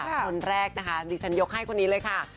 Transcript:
คนแรกนะคะดิฉันยกให้คนนี้เลยค่ะ